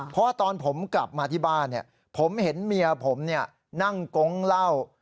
เพราะว่าตอนผมกลับมาที่บ้านผมเห็นเมียผมนั่งกงเหล้า